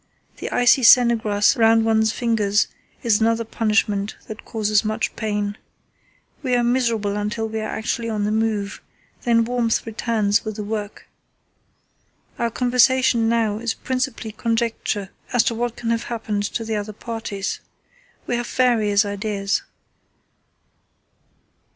The icy sennegrass round one's fingers is another punishment that causes much pain. We are miserable until we are actually on the move, then warmth returns with the work. Our conversation now is principally conjecture as to what can have happened to the other parties. We have various ideas."